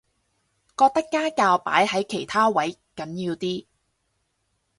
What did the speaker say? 覺得家教擺喺其他位緊要啲